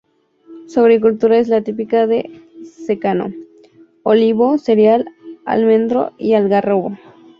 Su agricultura es la típica de secano: olivo, cereal, almendro y algarrobo.